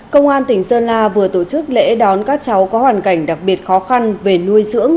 công an tỉnh sơn la vừa tổ chức lễ đón các cháu có hoàn cảnh đặc biệt khó khăn về nuôi dưỡng